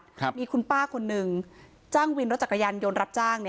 ครับมีคุณป้าคนหนึ่งจ้างวินรถจักรยานยนต์รับจ้างเนี้ย